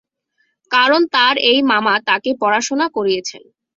কারণ তার এই মামা তাকে পড়াশোনা করিয়েছেন।